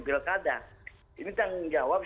pilkada ini tanggung jawab